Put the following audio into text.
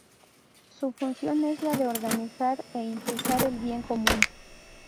Su función es la de organizar e impulsar el bien común.